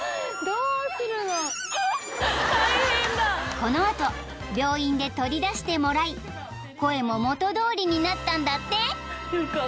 ［この後病院で取り出してもらい声も元通りになったんだって］